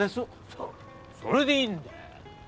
そうそれでいいんだよ。